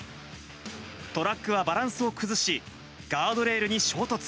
トラックはバランスを崩し、ガードレールに衝突。